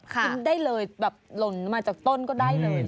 กินได้เลยแบบหล่นมาจากต้นก็ได้เลย